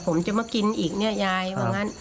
ผมจะมากินอีกยายว่างั้น